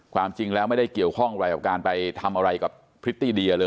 ความจริงแล้วไม่ได้เกี่ยวข้องอะไรกับการไปทำอะไรกับพริตตี้เดียเลย